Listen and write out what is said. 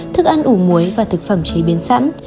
thức ăn ủ muối và thực phẩm chế biến sẵn